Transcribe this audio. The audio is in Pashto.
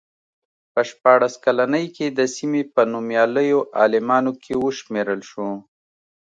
په شپاړس کلنۍ کې د سیمې په نومیالیو عالمانو کې وشمېرل شو.